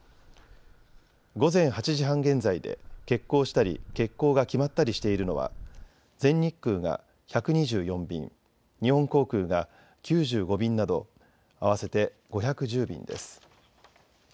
午前８時半現在で欠航したり欠航が決まったりしているのは全日空が１２４便、日本航空が９５便など合わせて５１０便です。